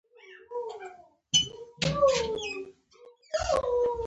ستا د خوښې موټر کوم دی؟